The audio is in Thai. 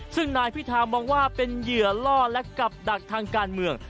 ซึ่งนายพิธามองว่าเป็นเหยื่อล่อและกับดักทางการเมือง